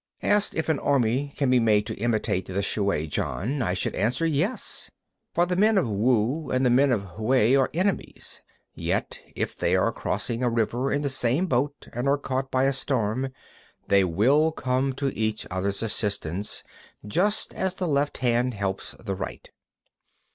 30. Asked if an army can be made to imitate the shuai jan, I should answer, Yes. For the men of Wu and the men of Yüeh are enemies; yet if they are crossing a river in the same boat and are caught by a storm, they will come to each other's assistance just as the left hand helps the right.